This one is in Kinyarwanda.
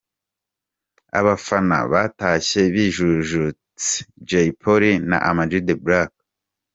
Abafana batashye bijunditse Jay Polly na Amag The Black .